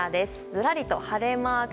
ずらりと晴れマーク。